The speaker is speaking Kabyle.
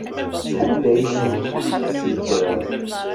Anda ay tent-id-tesnekrem?